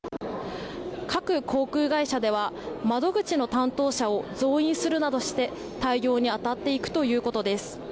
各航空会社では窓口の担当者を増員するなどして対応に当たっていくということです。